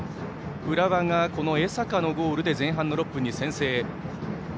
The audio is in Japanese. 浦和が江坂のゴールで前半６分に先制。